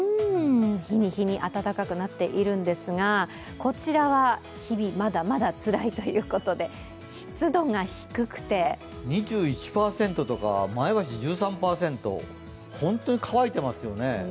日に日に暖かくなっているんですがこちらは日々、まだまだつらいということで２１％とか前橋１３％、本当に乾いていますよね